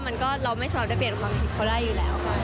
มันก็เราไม่สามารถได้เปลี่ยนความคิดเขาได้อยู่แล้ว